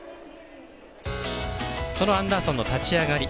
そのアンダーソンの立ち上がり。